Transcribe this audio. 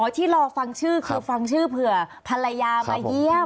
ที่รอฟังชื่อคือฟังชื่อเผื่อภรรยามาเยี่ยม